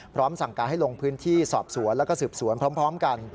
พร้อมสั่งการให้ลงพื้นที่สอบสวนแล้วก็สืบสวนพร้อมกัน